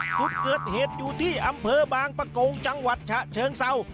จุดเกิดเหตุอยู่ที่อำเภอบางปะโกงจังหวัดฉะเชิงเศร้า